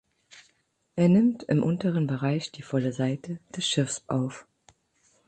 Er nimmt im unteren Bereich die volle Seite des Schiffs auf.